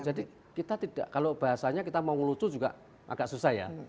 jadi kita tidak kalau bahasanya kita mau lucu juga agak susah ya